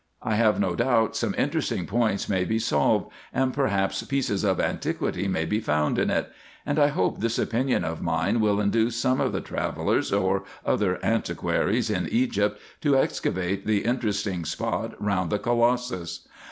I have no doubt some interesting points may be solved, and perhaps pieces of antiquity may be found in it ; and I hope this opinion of mine will induce some of the travellers or other antiqua ries in Egypt to excavate the interesting spot round the colossus.